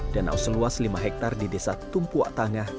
danau seluas lima hektare di desa tumpuak tangah